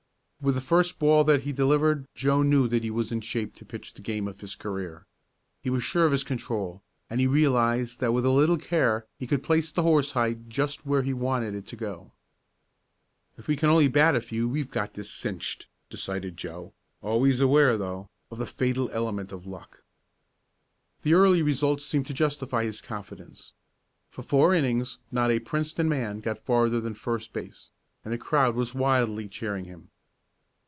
With the first ball that he delivered Joe knew that he was in shape to pitch the game of his career. He was sure of his control, and he realized that with a little care he could place the horsehide just where he wanted it to go. "If we can only bat a few we've got this cinched," decided Joe, always aware, though, of the fatal element of luck. The early results seemed to justify his confidence. For four innings not a Princeton man got farther than first base, and the crowd was wildly cheering him.